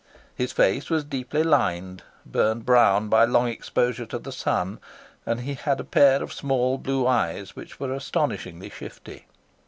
His face was deeply lined, burned brown by long exposure to the sun, and he had a pair of small blue eyes which were astonishingly shifty.